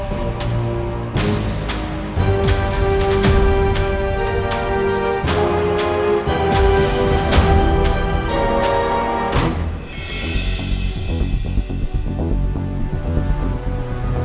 wuhh gak ada capeknya naik juga